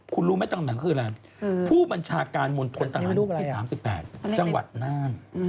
คุณรู้ไหมต่างคืออะไรผู้บัญชาการมนตรฐานที่๓๘จังหวัดน่าน